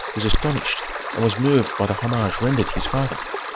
was astonished and was moved by the homage rendered his father.